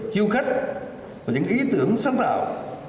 chiêu khách và những ý tưởng sáng tạo